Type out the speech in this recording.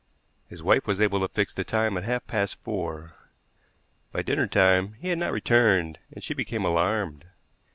His wife was able to fix the time at half past four. By dinner time he had not returned and she became alarmed.